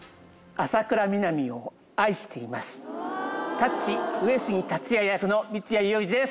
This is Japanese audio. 『タッチ』上杉達也役の三ツ矢雄二です。